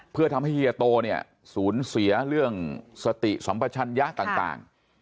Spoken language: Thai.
เพื่อทำให้เฮียโตเนี่ยสูญเสียเรื่องสติสัมปชัญญะต่าง